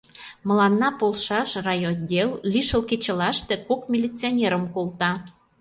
Мыланна полшаш райотдел лишыл кечылаште кок милиционерым колта.